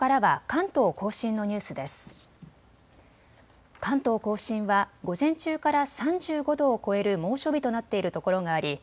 関東甲信は午前中から３５度を超える猛暑日となっているところがあり